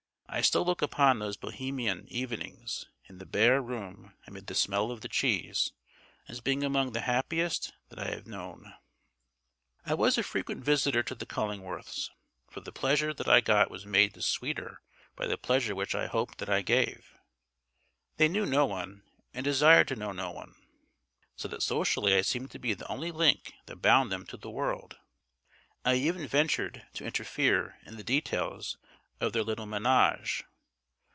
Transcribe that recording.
I still look upon those Bohemian evenings, in the bare room amid the smell of the cheese, as being among the happiest that I have known. I was a frequent visitor to the Cullingworths, for the pleasure that I got was made the sweeter by the pleasure which I hoped that I gave. They knew no one, and desired to know no one; so that socially I seemed to be the only link that bound them to the world. I even ventured to interfere in the details of their little menage.